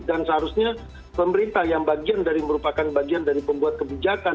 dan seharusnya pemerintah yang bagian dari merupakan bagian dari pembuat kebijakan